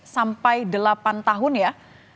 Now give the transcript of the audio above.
sampai delapan tahun ya